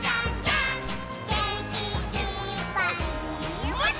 「げんきいっぱいもっと」